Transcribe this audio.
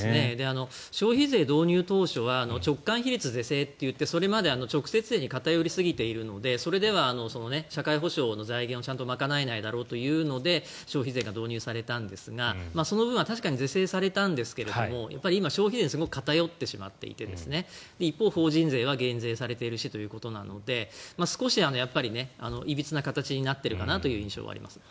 消費税導入当初は直間比率是正といってそれまで直接税に偏りすぎているのでそれでは社会保障の財源をちゃんと賄えないだろうというので消費税が導入されたんですがその部分は確かに是正されたんですが今消費税はすごく偏ってしまっていて法人税は減税されているしということで少しいびつな形になっているかなという感じはあります。